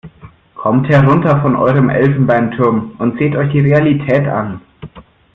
Kommt herunter von eurem Elfenbeinturm und seht euch die Realität an!